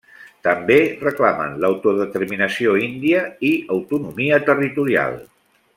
També reclamen l'autodeterminació índia i autonomia territorial.